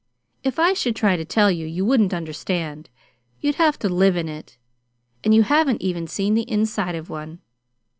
If I should try to tell you, you wouldn't understand. You'd have to live in it and you haven't even seen the inside of one.